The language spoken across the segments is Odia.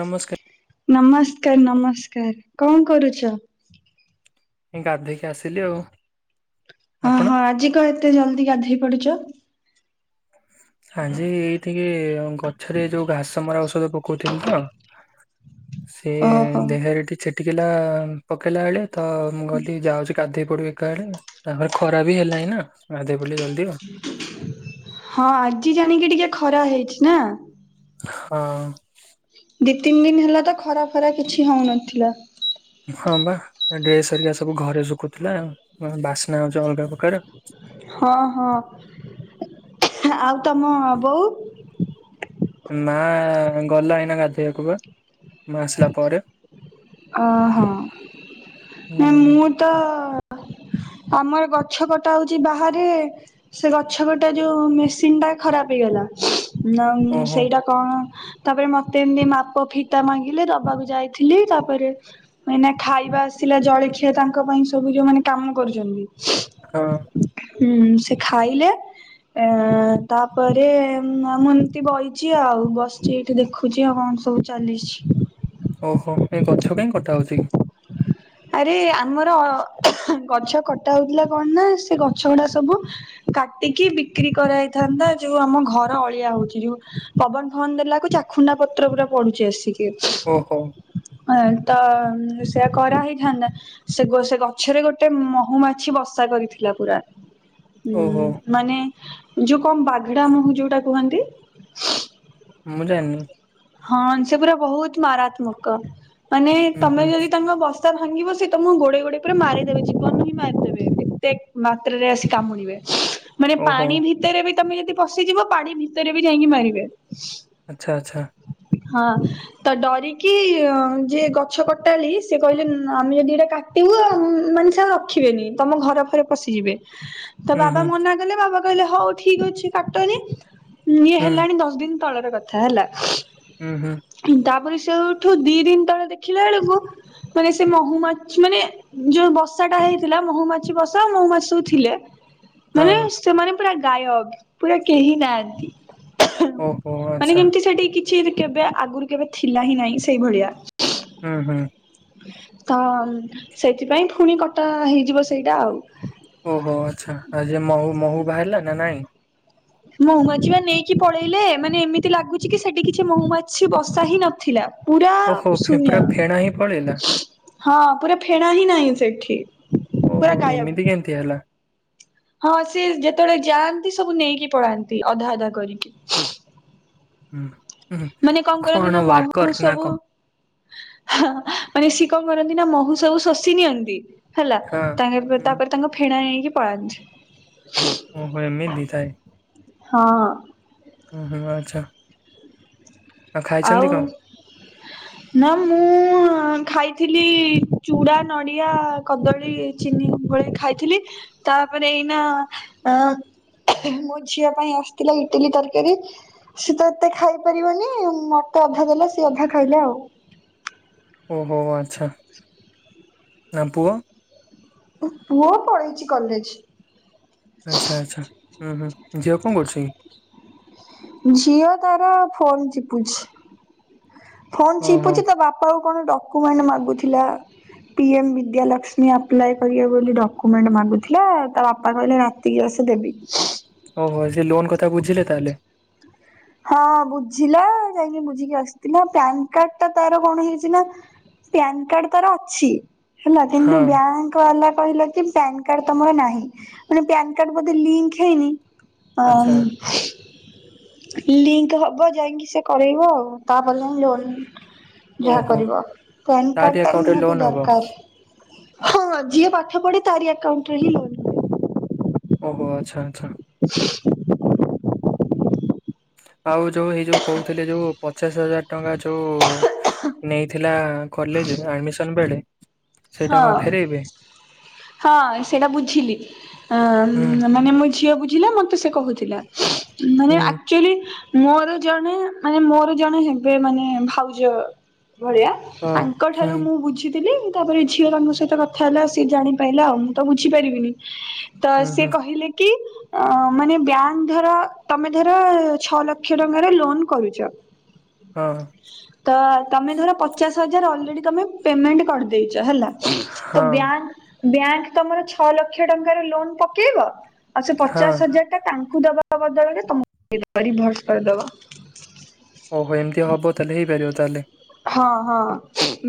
ନମସ୍କାର। ନମସ୍କାର ନମସ୍କାର କଣ କରୁଛ? ଏ ଗାଧେଇକି ଆସିଲି ଆଉ। ଆପଣ ଅହ ଆଜି କଣ ଏତେ ଜଲ୍ଦି ଗାଧେଇ ପଡିଛ? ଆଜି ଏଇଥିକି ଗଛରେ ଯୋଉ ଘାସ ମରା ଔଷଧ ପକଉଥିଲି ତ ସେ ଓହୋ ଦେହରେ ଟିକେ ଛିଟିକିଲା ପକେଇଲା ବେଳେ ତ ମୁଁ ଗଲି ଯାଉଛି ଗାଧେଇ ପଡ଼ିବି ଏକାବେଳେ ତାପରେ ଖରା ବି ହେଲାଣିି ନା ଗାଧେଇପଡ଼ିଲି ଜଲ୍ଦି ଆଉ ହଁ ଆଜି ଜାଣିକି ଟିକେ ଖରା ହେଇଛି ନା? ହଁ। ଦି ତିନ ଦିନ ହେଲା ତ ଖରା ଫରା କିଛି ହଉନଥିଲା। ହଁ ବା ଡ୍ରେସ ହେରିକା ସବୁ ଘରେ ଶୁଖୁଥିଲା ବାସ୍ନା ହଉଛି ଅଲଗା ପ୍ରକାର ହଁ ହଁ ଆଉ ତମ ବୋଉ? ମା ଗଲା ଏଇନା ଗାଧେଇବାକୁ ବା ମୁଁ ଆସିଲା ପରେ ଅହ ନାଇ ହୁଁ ମୁଁ ତ ଆମର ଗଛ କଟା ହଉଛି ବାହାରେ ସେ ଗଛ କଟା ଯୋଉ ମେସିନ୍ ଟା ଖରାପ ହେଇଗଲା ମ-ମ ଓହୋ ସେଇଟା କଣ ତାପରେ ମତେ ଏମିତି ମାପ ଫିତା ମାଗିଲେ ଦବାକୁ ଯାଇଥିଲି ତାପରେ ମୁଁ ଏଇନା ଖାଇବା ଆସିଲା ଜଳଖିଆ ତାଙ୍କ ପାଇଁ ସବୁ ଯୋଉ ମାନେ କାମ କରୁଛନ୍ତି ହଁ। ହଁ ସେ ଖାଇଲେ ଏଁ ତାପରେ ମୁଁ ଏମିତି ବଇଛି ଆଉ ବସଛି ଏଇ ଏଠି ଦେଖୁଛି ଆଉ କଣ ସବୁ ଚାଲିଛି ଓହୋ ଏଇ ଗଛ କାଇଁ କଟା ହଉଚି କି? ଆରେ ଆମର ଅ ଗଛ କଟା ହଉଥିଲା କଣ ନା ସେ ଗଛ ଗୁଡା ସବୁ କାଟିକି ବିକ୍ରି କରାହେଇଥାନ୍ତା ଯୋଉ ଆମ ଘର ଅଳିଆ ହଉଛି ଯୋଉ ପବନ ଫବନ ଦେଲା ବେଳକୁ ଚାଖୁଣ୍ଡା ପତ୍ର ପୁରା ପଡୁଛି ଆସିକି ଓହୋ। ଅଁ ତ ସେଆ କର ହେଇ ଥାନ୍ତା ସେ ସେ ଗଛରେ ଗୋଟେ ମହୁମାଛି ବସା କରିଥିଲା ପୁରା ହଁ ଓହୋ ମାନେ ଯୋଉ କଣ ବାଘଡା ମହୁ ଯୋଉଟା କୁହନ୍ତି ମୁଁ ଜାଣିନି। ହଁ ସେ ପୁରା ବହୁତ ମାରାତ୍ମକ ମାନେ ହୁଁ ତମେ ହୁଁ ଯଦି ତାଙ୍କ ବସା ସା ଭାଙ୍ଗିବ ସିଏ ତମ କୁ ଗୋଡେଇ ଗୋଡେଇ ପୁରା ମାରିଦେବେ ଜୀବନରୁ ହି ମାରିଦେବେ କେତେ ମାତ୍ରାରେ ଆସି କାମୁଡିବେ ମାନେ ଓହୋ ପାଣି ଭିତରେ ବି ତମେ ଯଦି ପଶିଯିବ ପାଣି ଭିତରେ ବି ଯାଇକି ମାରିବେ ଆଚ୍ଛା ଆଚ୍ଛା। ହଁ ତ ଡରିକି ଯିଏ ଗଛ କଟାଳି ସିଏ କହିଲେ ଆମେ ଯଦି ଏଟା କା ଇଉ ମାନେ ସେ ଆଉ ରଖିବେନି ତମ ଘର ଫରେ ପଶିଯିବେ ତ ହୁଁ ହୁଁ ବାବା ମନା କଲେ ବାବା କହିଲେ ହଉ ଠିକ ଅଛି କାଟନି ଇଏ ହୁଁ ହେଲାଣି ଦଶ ଦିନ ତଳର କଥା ହେଲା। ହୁଁ ହୁଁ। ତାପରେ ସେଉଠୁ ଦି ଦିନ ତଳେ ଦେଖିଲା ବେଳକୁ ମାନେ ସେ ମହୁମାଛି ମାନେ ଯୋଉ ବଷା ଟା ହେଇଥିଲା ମହୁମାଛି ବସା ମହୁମାଛି ସବୁ ଥିଲେ। ହଁ ମାନେ ସେମାନେ ପୁରା ଗାୟକ ପୁରା କେହି ନାହାନ୍ତି। ଓହୋ ମାନେ ଆଚ୍ଛା ଯେମିତି ସେଠି କିଛି କେବେ ଆଗରୁ କେବେ ଥିଲା ହିଁ ନାହିଁ ସେଇଭଳିଆ। ହୁଁ ହୁଁ। ତ ସେଥିପାଇଁ ପୁଣି କଟା ହେଇଯିବ ସେଇଟା ଆଉ। ଓହୋ ଆଚ୍ଛା ଆଉ ଯେ ମହୁ ମହୁ ବାହାରିଲ ନା ନାଇଁ। ମହୁମାଛି ବା ନେଇକି ପଳେଇଲେ ମାନେ ଏମିତି ଲାଗୁଛି କି ସେଠି କିଛି ମହୁମାଛି ବସା ହିଁ ନଥିଲା। ପୁରା ଓହୋ ଫେ- ପୁରା ଶୂନ୍ୟ। ଫେଣା ହିଁ ପଳେଇଲା ହଁ ପୁରା ଫେଣା ହିଁ ନାହିଁ ସେଠି ଓହୋ ପୁରା ଏମିତି ଗାୟବ। କେମିତି ହେଲା [unintelligible] ହଁ ସିଏ ଯେତେବେଳେ ଯାଆନ୍ତି ସବୁ ନେଇକି ପଳାନ୍ତି ଅଧା ଅଧା କରିକି। ହୁଁ ହୁଁ କଣ ୱାର୍କର ନା କଣ? ହ ମାନେ ସିଏ କଣ କରନ୍ତି ନା ମହୁ ସବୁ ଶୋଷି ନିଅନ୍ତି। ହେଲା ହଁ ତାଙ୍କ ହୁଁ ତାପରେ ତାଙ୍କ ଫେଣା ନେଇକି ପଳାନ୍ତି। ଓ ହୋ ଏମିଦି ଥାଏ। ହଁ। ହୁଁ ହୁଁ ଆଚ୍ଛା। ଖାଇଛନ୍ତି ଆଉ। କଣ ନା ମୁଁ ଖାଇଥିଲି ଚୁଡ଼ା ନଡ଼ିଆ କଦଳୀ। ଚିନି ବଳି ଖାଇଥିଲି ତାପରେ ଏଇନା ଅ ମୋ ଝିଅ ପାଇଁ ଆସିଥିଲା ଇଟିଲି ତରକାରୀ ସେ ତ ଏତେ ଖାଇପାରିବନି। ମୋତେ ଅଧା ଦେଲା ସିଏ ଅଧା ଖାଇଲା ଆଉ। ଓହୋ ଆଛା ନା ପୁଅ ପୁଅ ପଢଳେଇଛି କଲେଜ। ଆଚ୍ଛା ଆ୍ଛା ହୁଁ ହୁଁ ଝିଅ କଣ କରୁଛି କି? ଜିଓ ତାର ଫୋନ୍ ଚିପୁଛି। ଫୋନ ଓହୋ ଚିପୁଛି ତ ବାପା ଆ କଣ ଡକୁମେଣ୍ଟ ମାଗୁଥିଲା। ପିଏମ୍ ବିଦ୍ୟାଲକ୍ଷ୍ମୀ ଆପ୍ଲାଏ କରିବେ ବୋଲି ଡକ୍ୟୁମେଣ୍ଟ ମାଗୁଥିଲା ତା ବାପା କହିଲେ ରାତିରେ ରାତିକି ଆସେ ଦେବି। ଓହୋ ସେ ଲୋନ୍ କଥା ବୁଝିଲେ ତାହେଲେ? ହଁ ବୁଝିଲା ଯାଇକି ବୁଝିକି ଆସିଥିଲା ପାନକାର୍ଡଟା ତାର କଣ ହେଇଛି ନା। ପ୍ୟାନକାର୍ଡ ତାର ଅଛି ହେଲା କିନ୍ତୁ ହଁ ବ୍ୟାଙ୍କ ବ୍ୟାଙ୍କ ବାଲା କହିଲା କି ପ୍ୟାନକାର୍ଡ ତମର ନାହିଁ ମାନେ ପ୍ୟାନକାର୍ଡ ବୋଧେ ଲିଙ୍କ ହେଇନି। ହଁ। ଆଚ୍ଛା ଲିଙ୍କ ହବ ଯାଇକି ସେ କରେଇବ ଆଉ ତାପରେ ଯାଇ ଲୋନ୍। ଯାହା ଓହୋ କରିବ ତାରି ପ୍ୟାନକାର୍ଡ଼ଟା ଆକାଉଣ୍ଟରେ ନିହାତି ଲୋନ ହବ ଦରକାର। ହଁ ଯିଏ ପାଠ ପଢେ ତାରି ଆକାଉଣ୍ଟରେ ହିଁ ଲୋନ୍। ହୁଏ। ଓହୋ ଆଚ୍ଛା ଆଚ୍ଛା। [inaudible] ଆଉ ଯୋଉ ଏଇ ଯୋଉ କହୁଥିଲେ ଯୋଉ ପଚାଶ ହଜାର ଟଙ୍କା ଯୋଉ ନେଇଥିଲା କଲେଜ ଆଡମିସନ ବେଳେ। ସେଇଟା କଣ ହଁ ଫେରେଇବେ? ହଁ ସେଇଟା ବୁଝିଲି, ହୁଁ ମାନେ ମୋ ଝିଅ ବୁଝିଲା ମ ମତେ ସେ କହୁଥିଲା, ମାନେ ହୁଁ ଆକ୍ଚୋଲି ମୋର ଜଣେ ମାନେ ମୋର ଜଣେ ହେବେ ମାନେ ଭାଉଜ ଭଳିଆ ହଁ ହୁଁ ତାଙ୍କଠାରୁ ମୁଁ ବୁଝିଥିଲି। ତାପରେ ଝିଅ ତାଙ୍କ ସହିତ କଥା ହେଲା ସିଏ ଜାଣିପାଇଲା ଆଉ ମୁଁ ତ ବୁଝିପାରିବିନି। ତ ହୁଁ ସିଏ ହୁଁ କହିଲେ କି ଅ ମାନେ ବ୍ୟାଙ୍କ୍ ଧର ତମେ ଧର ଛଅ ଲକ୍ଷ୍ୟ ଟଙ୍କାରେ ଫୋନ୍ କରୁଚ। ହଁ। ତ ତମେ ଧର ପଚାଶ ହଜାର ଅଲରେଡି ତମେ ପେମେଣ୍ଟ କରିଦେଇଚ ହେଲା। ତ ହଁ ବ୍ୟାଙ୍କ୍ ବ୍ୟାଙ୍କ୍ ତମର ଛଅ ଲକ୍ଷ୍ୟ ଟଙ୍କାର ଲୋନ୍ ପକେଇବ। ଆଉ ସେ ହଁ ପଚାଶ ହଜାରଟା ତାଙ୍କୁ ଦବା ବଦଳରେ ତମକୁ ଦେଇଦବ ରିଭର୍ସ କରିଦବ। ଓହୋ ଏମିତି ହବ ତାହେଲେ ହେଇପାରିବ ତାହେଲେ। ହଁ ହଁ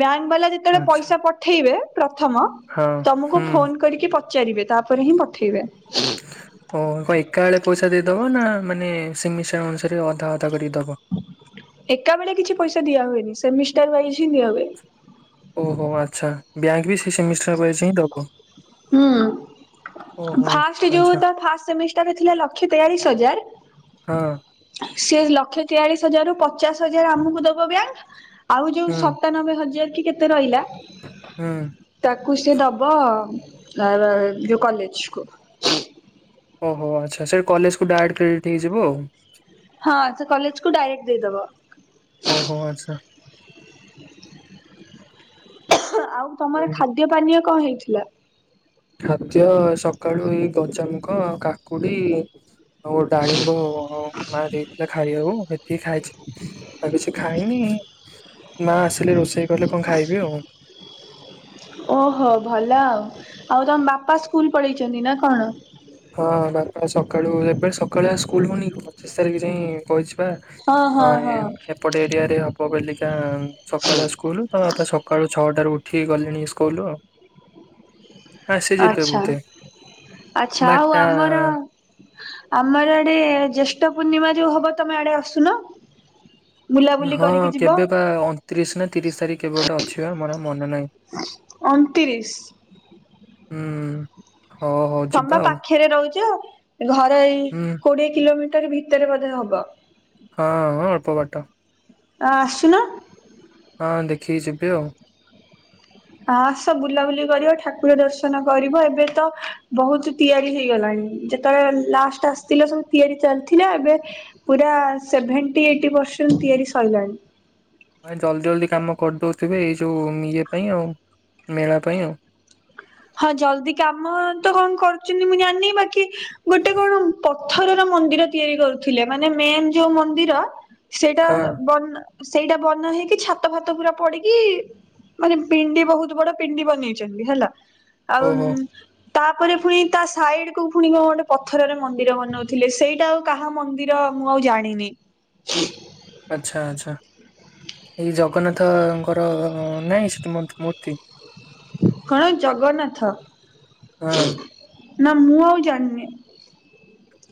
ବ୍ୟାଙ୍କ୍ ବାଲା ଯେତେବେଳେ ଆଚ୍ଛା ପଇସା ପଠେଇବେ ପ୍ରଥମ ହଁ ତମକୁ ହୁଁ ଫୋନ୍ କରିକି ପଚାରିବେ ତାପରେ ହିଁ ପଠେଇବେ। ଓହୋ କଣ ଏକାବେଳେ ପଇସା ଦେଇଦବ ନାଁ ମାନେ ସେମିଷ୍ଟାର ଅନୁସାରେ ଅଧା ଅଧା କରିକି ଦବ? ଏକାବେଳେ କିଛି ପଇସା ଦିଆ ହୁଏନି ସେମିଷ୍ଟାର ୱାଇଜ ହିଁ ଦିଆ ହୁଏ। ଓହୋ ଆଚ୍ଛା, ବ୍ୟାଙ୍କ୍ ବି ସେଇ ସେମିଷ୍ଟାର ୱାଇଯ ହିଁ ଦବ। ହୁଁ ଓହୋ ଫାଷ୍ଟ ଯୋଉ ଆଚ୍ଛା ତା ଫାଷ୍ଟ ସେମିଷ୍ଟାରରେ ଥିଲା ଲକ୍ଷ୍ୟ ତେୟାଳିଶ୍ ହଜାର। ହଁ। ସେ ଲକ୍ଷେ ତେୟାଳିଶ ହଜାରରୁ ପଚାଶ ହଜାର ଆମକୁ ଦବ ବ୍ୟାଙ୍କ୍। ଆଉ ଯୋଉ ହୁଁ ସତାନବେ ହଜାର କି କେତେ ରହିଲା। ହୁଁ। ତାକୁ ସେ ଦେବ ଅହ ଯଉଁ କଲେଜକୁ। ଅ ହୋ ଆଚ୍ଛା ସେ କଲେଜକୁ ଡାଇରେକ୍ଟ ହେଇଯିବ ଆଉ। ହଁ ସେ କଲେଜକୁ ଡାଇରେକ୍ଟ ଦେଇଦବ। ଓହୋ ଆଚ୍ଛା। ଆଉ ହୁଁ ତମର ଖା ଖାଦ୍ୟ ପାନୀୟ କଣ ହେଇଥିଲା? ଖାଦ୍ୟ ସକାଳୁ ଏଇ ଗଜାମୁଗ, ଆଉ କାକୁଡି ଆଉ ଡାଳିମ୍ବ ହଉ। ମା ଦେଇଥିଲା ଖାଇବାକୁ ଏତିକି ଖାଇଚି ଆଉ କିଛି ଖାଇନି। ମା ଆସିଲେ ରୋଷେଇ କଲେ କଣ ଖାଇବି ଆଉ। ଓହୋ ଭଲ ଆଉ ଆଉ ତମ ବାପା ସ୍କୁଲ୍ ପଳେଇଚନ୍ତି ନାଁ କଣ? ହଁ ବାପା ସକାଳୁ ଏବେ ସକାଳୁଆ ସ୍କୁଲ୍ ହଉନି ପଚିଶ ତାରିଖ ଯାଏଁ କହିଛି। ହଁ ହଁ ହଁ [unintelligible] ଏପଟେ ଏରିଆରେ ହେବ ବେଲିକା ସକାଳୁଆ ସ୍କୁଲ୍ ତ ବାପା ସକାଳ ଛଅଟାରୁ ଉ ଠିକ୍ କଲିଣି ସ୍କୁଲ୍ ଆଉ ଆ ସେ ଯିବେ ଆଚ୍ଛା ବୁଧେ। ଆଚ୍ଛା ଆଉ ଆମର ଆମର ଆଡେ ଜ୍ୟେଷ୍ଠ ପୂର୍ଣ୍ଣିମା ଯୋଉ ହବ ତମେ ଆଡେ ଆସୁନ। ବୁଲାବୁଲି ହଁ କରିକି ଯିବ କେବେ ବା ଅଣତିରିଶ୍ ନାଁ ତିରିଶ୍ ତାରିଖ କେବେ ଗୋଟେ ଅଛି ପା ମୋର ମନେ ନାହିଁ। ଅଣତିରିଶ୍। ହୁଁ। ହଉ ହଉ ତମ୍ବା ଯିବା ଆଉ। ପାଖରେ ରହୁଚ ଘର ଏଇ ହୁଁ କୋଡିଏ କିଲୋମିଟର ଭିତରେ ବୋଧ ହବ। ହଁ ହଁ ଅଳ୍ପ ବାଟ। ଆ ଆସୁନ। ହଁ ଦେଖିକି ଯିବି ଆଉ। ଆସ ବୁଲାବୁଲି କରିବ ଠାକୁର ଦର୍ଶନ କରିବ ଏବେ ତ ବହୁତ ତିଆରି ହେଇଗଲାଣି ଯେତେବେଳେ ଲାଷ୍ଟ ଆସିଥିଲା ସବୁ ତିଆରି ଚାଲିଥିଲା ଏବେ ପୁରା ସେଭେଣ୍ଟି ଏଇଟି ପରସେଣ୍ଟ ତିଆରି ସରିଲାଣି। ଭାଇ ଜଲ୍ଦି ଜଲ୍ଦି କାମ କରିଦଉଥିବେ ଏଇ ଯୋଉ ଇଏ ପାଇଁ ଆଉ ମେଳା ପାଇଁ ଆଉ। ହଁ ଜଲଦି କାମ ତ କଣ କରୁଛନ୍ତି ମୁଁ ଜାନି ବାକି ଗୋଟେ କଣ ପଥରର ମନ୍ଦିର ତିଆରି କରୁଥିଲେ ମାନେ ମେନ୍ ଯୋଉ ମନ୍ଦିର ସେଇଟା ହଁ ବ ସେଇଟା ବନା ହେଇକି ଛାତ ଫାତ ପୁରା ପଡିକି ମାନେ ପିଣ୍ଡି ବହୁତ ବଡ ପିଣ୍ଡି ବନେଇଛନ୍ତି ହେଲା ଆଉ ଓହୋ ତାପରେ ପୁଣି ତା ସାଇଡ କୁ ପୁଣି ଗୋଟେ ପଥରରେ ମନ୍ଦିର ବନଉଥିଲେ ସେଇଟା ଆଉ କାହା ମନ୍ଦିର ମୁଁ ଆଉ ଜାଣିନି। [unintelligible] ଆଚ୍ଛା ଆଚ୍ଛା ଏଇ ଜଗନ୍ନାଥଙ୍କର ନାହିଁ ସେଠି ମୂର୍ତ୍ତି କଣ ଜଗନ୍ନାଥ। ହଁ। ନା ମୁଁ ଆଉ ଜାଣିନି।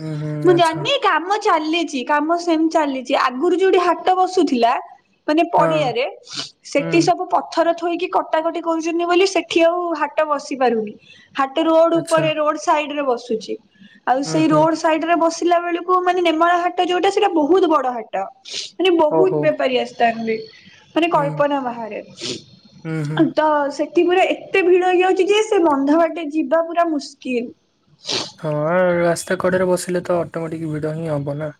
ହୁଁ ହୁଁ ମୁଁ ଆଚ୍ଛା ଜାଣିନି କାମ ଚାଲିଛି କାମ ସେମିତି ଚାଲିଛି ଆଗରୁ ଯୋଉଠି ହାଟ ବସୁଥିଲା। ମାନେ ହଁ ପଡିଆରେ ସେଠି ହୁଁ ସବୁ ପ ପଥର ଥୋଇକି କଟାକଟି କରୁଛନ୍ତି ବୋଲି ସେଠି ଆଉ ହାଟ ବସି ପାରୁନି। ହାଟ ରୋଡ ଆଚ୍ଛା ଉପରେ ରୋଡ ସାଇଡ ରେ ବସୁଛି। ଆଉ ହୁଁ ସେଇ ହୁଁ ରୋଡ ସାଇଡ ରେ ବସିଲା ବେଳକୁ ମାନେ ନେମାଳ ହାଟ ଯୋଉଟା ସେଇଟା ବହୁତ ବଡ ହାଟ। ହାଟ ସେଠି ଓହୋ ବହୁତ ବେପାରୀ ଆସିଥାନ୍ତି। ମାନେ ହୁଁ କଳ୍ପନା ବାହାରେ ହୁଁ ହୁଁ ତ ସେ ପୁରା ଏତେ ଭିଡ ହେଇଯାଉଛି ଯେ ସେ ବନ୍ଧ ବାଟେ ଯିବା ପୁରା ମୁସ୍କିଲ। ହଁ ରାସ୍ତା କଡ଼ରେ ବସିଲେ ତ ଅଟୋମେଟିକ ଭିଡ଼ ହିଁ ହବ ନା।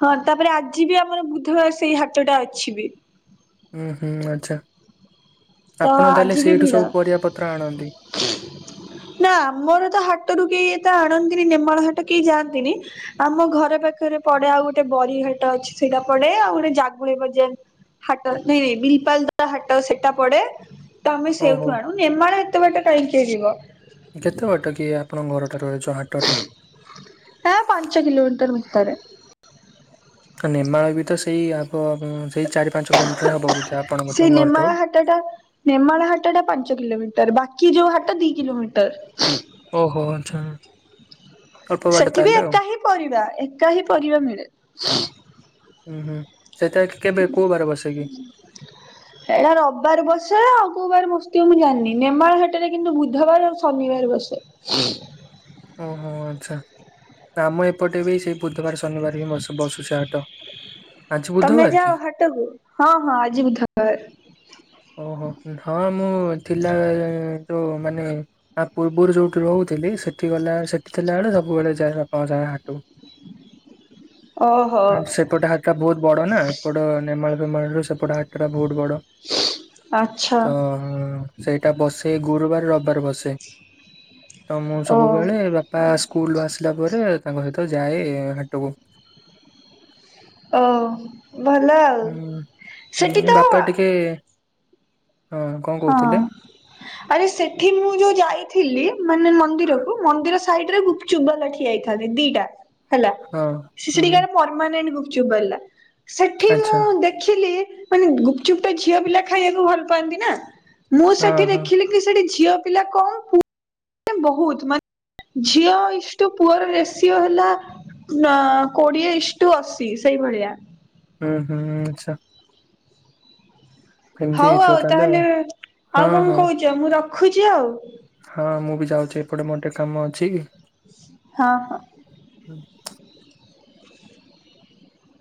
ହଁ ତାପରେ ଆଜି ବି ଆମର ବୁଧବାର ସେଇ ହାଟଟା ଅଛି ବି। ହୁଁ ହୁଁ ଆଛା ତ ଆପଣ ତାହେଲେ ଆଜି ବି ସେଇଠୁ ଭିଡ। ସବୁ ପରିବା ପତ୍ର ଆଣନ୍ତି। [inaudible] ନା ଆମର ତ ହାଟରୁ କେହି ଏତ ଆଣନ୍ତିନି ନେମାଳ ହାଟ କେହି ଯାଆନ୍ତିନି। ଆମ ଘର ପାଖରେ ପଡେ ଆଉ ଗୋଟେ ବରିଘାଟ ଅଛି ସେଇଟା ପଡେ ଆଉ ଗୋଟେ ଜାଗୁଳି ବଜାର। ହାଟ [unintelligible] ବିଲପାଲ ହାଟ ସେଟା। ପଡେ ତ ଆମେ ଓହୋ ସେଇଠୁ ଆଣୁ ନେମାଳ ଏତେ ବାଟ କାହିଁକିଇ ଯିବ। କେତେ ବାଟ କିଏ ଆପଣଙ୍କ ଘରଠାରୁ ଯଉ ହାଟଟା? ତା ପାଞ୍ଚ କିଲୋମିଟର ଭିତରେ। ନେମାଳୟ ବି ତ ସେଇ ଆଗ ସେଇ ଚାରି ପାଞ୍ଚ କିଲୋମିଟର ହବ ବଧେ। ସେଇ ନିମାଳ ହା ଟଟା ନେମାଳ ହାଟ ଟା ପାଞ୍ଚ କିଲୋମିଟର ବାକି ଯୋଉ ହାଟ ଦି କିଲୋମିଟର। ଓହୋ ଆଚ୍ଛା। ଅଳ୍ପ ବାଟ ସେଠି ବି ତାହେଲେ ଆଉ ଏକା ହିଁ ପରିବା ଏକା ହିଁ ପରିବା ମିଳେ। ହୁଁ ହୁଁ ସେଟା କେବେ କୋଉ ବାର ବସେକି? ଏଇଟା ରବିବାର ବସେ ଆଉ କଉ ବାର ବସୁଥିବ ମୁଁ ଜାଣିନି ନେମାଳ ହଟରେ କିନ୍ତୁ ବୁଧବାର ଶନିବାର ବସେ। ଓହୋ ଆଚ୍ଛା ଆମ ଏପଟେ ବି ସେଇ ବୁଧବାର ଶନିବାର ହିଁ ବସୁଛି ହାଟ। ଆଜି ତମେ ବୁଧବାର କି ଯାଅ ହାଟକୁ ହଁ ହଁ ଆଜି ବୁଧବାର। ଓହୋ ହଁ ମୁଁ ଥିଲା ଯୋଉ ମାନେ ଆ ପୂର୍ବରୁ ଯୋଉଠି ରହୁଥିଲି ସେଠି ଗଲା ସେଠି ଥିଲାବେଳେ ସବୁବେଳେ ଯାଏ ବାପାଙ୍କ ସାଙ୍ଗ ରେ ହାଟକୁ। ଓହୋ ଆ ସେପଟେ ହା ହଟା ବହୁତ ବଡ ନା ଏପଟ ନେମାଳ ଫେମାଳ ର ସେପଟ ହାଟ ଟା ବହୁତ ବଡ। ଆଚ୍ଛା ତ ସେଇଟା ବସେ ଗୁରୁବାର ରବିବାର ବସେ। ତ ମୁଁ ଓ ସବୁବେଳେ ବାପା ସ୍କୁଲୁ ରୁ ଆସିଲା ପରେ ତାଙ୍କ ସହିତ ଯାଏ ହାଟକୁ। ଓ ଭଲ ଆଉ ସେଠି ତ ଏ ହଁ। ହଁ ଆରେ ସେଠି ମୁଁ ଯୋଉ ଯାଇଥିଲି ମାନେ ମନ୍ଦିରକୁ ମନ୍ଦିର ସାଇଡ୍ ରେ ଗୁପଚୁପ ବାଲା ଠିଆ ହେଇଥାନ୍ତି ଦିଟା ହେଲା ହଁ ସିଏ ହୁଁ ସେଠିକି ଆ ପର୍ମାନେଟ୍ ଗୁପଚୁପ ବାଲା ସେ ଆଚ୍ଛା। ଦେଖିଲି ମାନେ ଗୁପଚୁପ୍ ଟା ଝିଅ ପିଲା ଖାଇବାକୁ ଭଲ ପାଆନ୍ତି ନା ମୁଁ ହଁ ସେଠି ହଁ। ଦେଖିଲି କି ସେଠି ଝିଅ ପିଲା କମ ପୁଅ ବହୁତ ମାନେ ଝିଅ ଇଷ୍ଟୁ ପୁଅର ରେଷିଓ ହେଲା ନ କୋଡିଏ ଇଷ୍ଟୁ ଅଶି ସେଇଭଳିଆ। ହୁଁ ହୁଁ ଆଛା। ହଉ ଆଉ ତାହେଲେ ଆଉ ହଁ କଣ ହଁ କହୁଚ ମୁଁ ରଖୁଚି ଆଉ। ହଁ ମୁଁ ବି ଯାଉଚି ଏପଟେ ମୋର ଟିକେ କାମ ଅଛି। ହଁ।